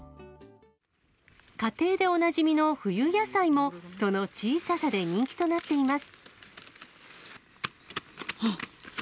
家庭でおなじみの冬野菜もその小ささで人気となっています。